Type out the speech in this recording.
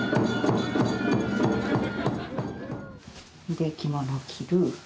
で着物着る。